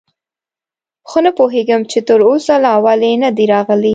خو نه پوهېږم، چې تراوسه لا ولې نه دي راغلي.